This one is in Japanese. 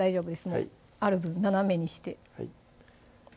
もうある分斜めにしてはい